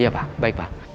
iya pak baik pak